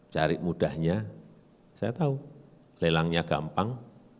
cari mudahnya saya tahu lelangnya gampang